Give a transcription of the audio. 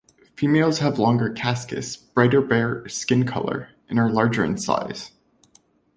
Females have longer casques, brighter bare skin color and are larger in size.